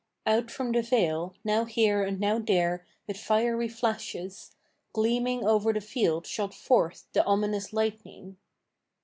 Out from the veil, now here and now there, with fiery flashes, Gleaming over the field shot forth the ominous lightning.